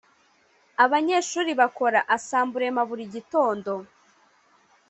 abanyeshuri bakora asamburema burigitondo.